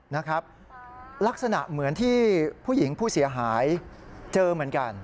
นะครับลักษณะเหมือนที่ผู้หญิงผู้เสียหายเจอเหมือนกัน